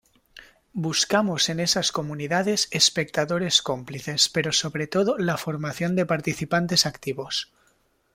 Buscamos en esas comunidades espectadores-cómplices pero sobre todo, la formación de participantes activos.